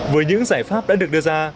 với những giải pháp đã được đưa ra